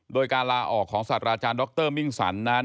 โดยการลาออกของศาสตราจารย์ดรมิ่งสรรนั้น